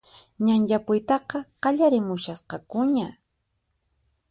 Ñan yapuytaqa qallariramushasqakuña